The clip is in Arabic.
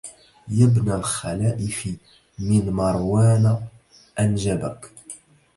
يا ابن الخلائف من مروان أنجبك